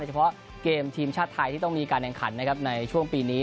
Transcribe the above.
เฉพาะเกมทีมชาติไทยที่ต้องมีการแข่งขันนะครับในช่วงปีนี้